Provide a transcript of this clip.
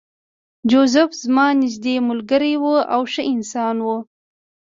جوزف زما نږدې ملګری و او ښه انسان و